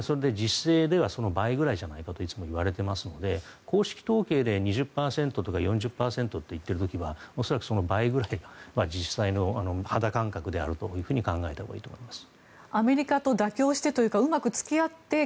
それで８倍くらいじゃないかと言われていますので公式統計で２０％とか４０％と言っている時は恐らくその倍ぐらい実際の肌感覚であると考えていいと思います。